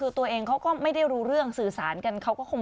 คือตัวเองเขาก็ไม่ได้รู้เรื่องสื่อสารกันเขาก็คง